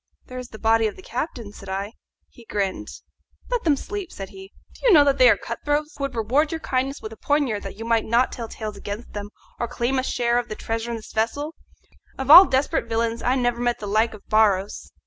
"There is the body of the captain," said I. He grinned. "Let them sleep," said he. "Do you know that they are cutthroats, who would reward your kindness with the poniard that you might not tell tales against them or claim a share of the treasure in this vessel? Of all desperate villains I never met the like of Barros.